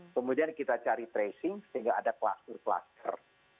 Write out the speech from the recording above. kemudian kita cari tracing sehingga ada cluster cluster